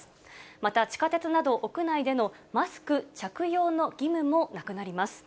また地下鉄など屋内でのマスク着用の義務もなくなります。